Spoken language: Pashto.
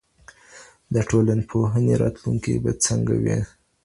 د ټولنپوهنې راتلونکی به څنګه وي؟